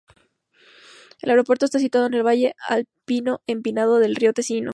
El aeropuerto está situado en un valle alpino empinado del río Tesino.